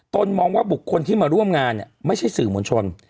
มองว่าบุคคลที่มาร่วมงานไม่ใช่สื่อมวลชน